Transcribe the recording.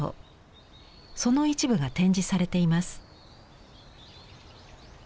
その一部が展示されています。